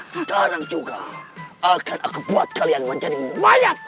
sekarang juga akan aku buat kalian menjadi mayat